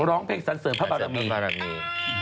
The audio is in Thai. ร้องเพลงสันเสาร์บัลบารัมี